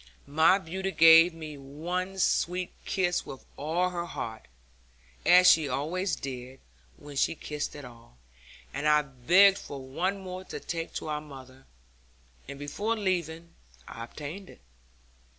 My beauty gave me one sweet kiss with all her heart (as she always did, when she kissed at all), and I begged for one more to take to our mother, and before leaving, I obtained it.